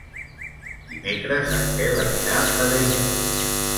Dimecres en Quel anirà a Daimús.